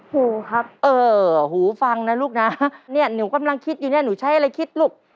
หูครับเออหูฟังนะลูกนะเนี่ยหนูกำลังคิดอยู่เนี่ยหนูใช้อะไรคิดลูก